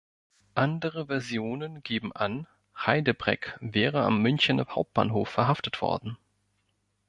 Andere Versionen geben an, Heydebreck wäre am Münchener Hauptbahnhof verhaftet worden.